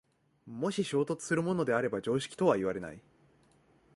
もし衝突するものであれば常識とはいわれない。